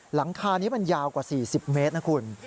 หลังคานี้มันยาวกว่า๔๐เมตรนะคุณ